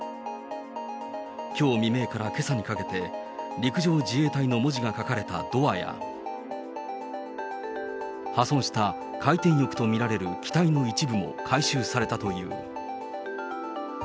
きょう未明からけさにかけて、陸上自衛隊の文字が書かれたドアや、破損した回転翼と見られる機体の一部も回収されたという。